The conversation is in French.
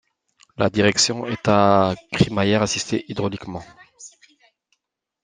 La direction est à crémaillère assistée hydrauliquement.